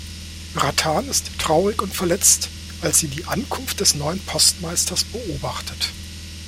Ratan ist traurig und verletzt, als sie die Ankunft des neuen Postmeisters beobachtet.